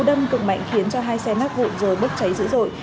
vụ đâm cực mạnh khiến cho hai xe nắp vụn rồi bớt cháy dữ dội